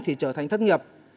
thì trở thành thất nghiệp